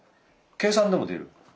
計算でも出る？